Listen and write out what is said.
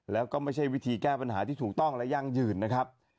แล้วก็ไม่ใช่วิธีแก้ปัญหาที่ถูกต้องและยั่งยืนนะครับ